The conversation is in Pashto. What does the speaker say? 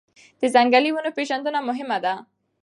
د ځنګلي ونو پېژندنه مهمه ده.